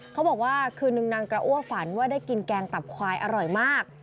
เขาบอกว่าคืนนึงนางกระอ้วฝันว่าได้กินแกงตับควายอร่อยมาก